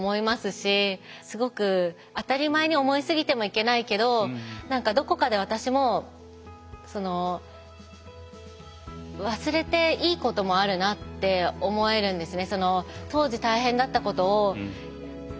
すごく当たり前に思いすぎてもいけないけど何かどこかで私も忘れていいこともあるなって思えるんですね。